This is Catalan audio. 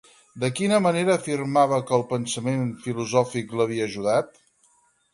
De quina manera afirmava que el pensament filosòfic l'havia ajudat?